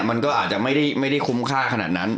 มันก็อาจจะไม่ได้คุ้มค่าขนาดนั้น